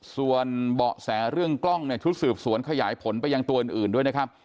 ส่วนเบาะแสเรื่องกล้องเนี่ยชุดสืบสวนขยายผลไปยังตัวอื่นด้วยนะครับ